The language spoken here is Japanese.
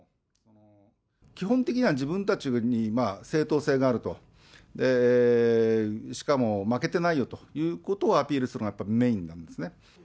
基本的には自分たちに正当性があると、しかも負けてないよということをアピールするのがメインなんですね。